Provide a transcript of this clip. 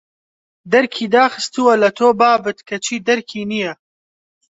دەرکی داخستووە لە تۆ بابت کەچی دەرکی نییە